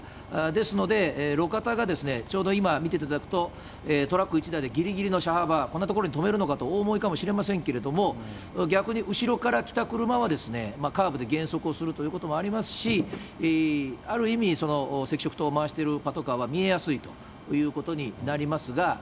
ですので、路肩がちょうど今、見ていただくと、トラック１台ぎりぎりの車幅、こんな所に止めるのかなとお思いかもしれませんけれども、逆に後ろから来た車は、カーブで減速をするということもありますし、ある意味、赤色灯を回してるパトカーは見えやすいということになりますが、